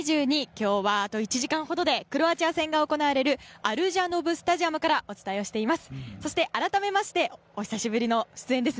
今日はあと１時間ほどでクロアチア戦が行われるアルジャノブ・スタジアムからお伝えをしています。